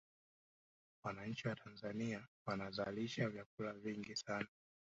wananchi wa tanzania wanazalisha vyakula vingi sana